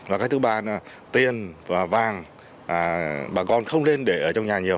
và cái thứ ba là tiền và vàng bà con không lên để ở trong nhà nhiều